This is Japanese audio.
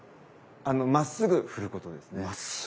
まっすぐ振ることですね。